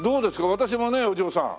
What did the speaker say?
私もねお嬢さん。